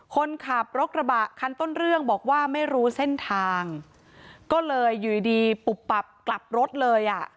คนขับรถกระบะคันต้นเรื่องบอกว่าไม่รู้เส้นทางก็เลยอยู่ดีปุบปับกลับรถเลยอ่ะ